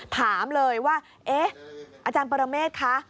ถามเลยว่าเอ๊ะอาจารย์ปรเมฆคะ